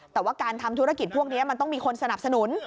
แต่ว่าการทำธุรกิจพวกนี้มันต้องมีคนสนับสนุน